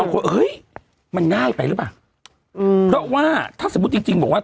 คนเฮ้ยมันง่ายไปหรือเปล่าอืมเพราะว่าถ้าสมมุติจริงจริงบอกว่า